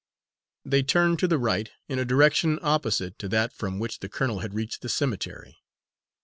They turned to the right, in a direction opposite to that from which the colonel had reached the cemetery.